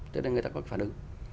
thế nên người ta có phản ứng